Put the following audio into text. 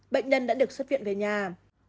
bệnh nhân đã được xuất viện về nhà